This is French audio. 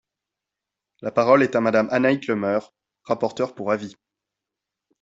La parole est à Madame Annaïg Le Meur, rapporteure pour avis.